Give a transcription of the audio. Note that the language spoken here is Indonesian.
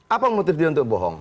apa motif dia untuk bohong